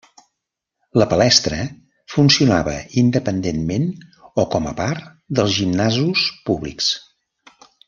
La palestra funcionava independentment o com a part dels gimnasos públics.